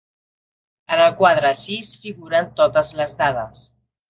En el quadre sis figuren totes les dades.